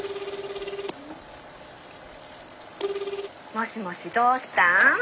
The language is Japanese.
もしもしどうしたん？